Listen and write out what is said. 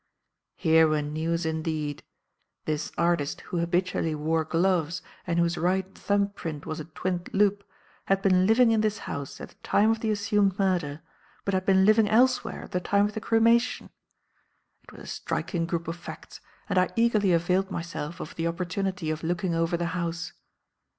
"Here were news indeed! This artist, who habitually wore gloves and whose right thumb print was a twinned loop, had been living in this house at the time of the assumed murder, but had been living elsewhere at the time of the cremation! It was a striking group of facts, and I eagerly availed myself of the opportunity of looking over the house.